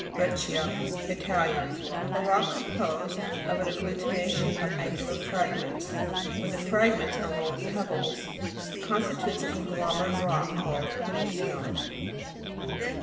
BRE'CCIA (break' co) It. A rock composed of an agglutination of angular fragments. When the frag ments are rolled pebbles, it consti tutes a conglomerate rock called pudding stone.